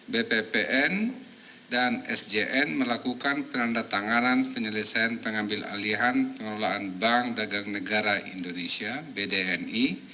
bppn dan sjn melakukan penandatanganan penyelesaian pengambil alihan pengelolaan bank dagang negara indonesia bdni